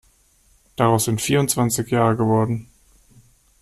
Daraus sind vierundzwanzig Jahre geworden.